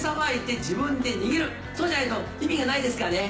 そうじゃないと意味がないですからね。